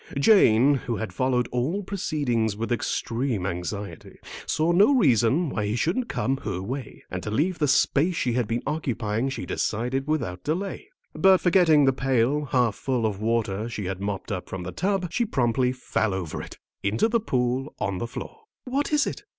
Jane, who had followed all proceedings with extreme anxiety, saw no reason why he shouldn't come her way. And to leave the space she had been occupying she decided without delay. But forgetting the pail, half full of water she had mopped up from the tub, she promptly fell over it, into the pool on the floor. "What is it?"